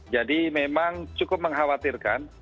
jadi memang cukup mengkhawatirkan